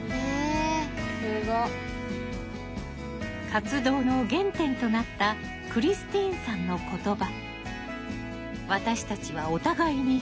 活動の原点となったクリスティーンさんの言葉。